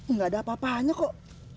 nggak ada apa apanya kok